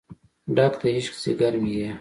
ډک د عشق ځیګر مې یې